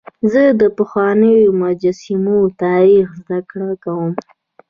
زه د پخوانیو مجسمو تاریخ زدهکړه کوم.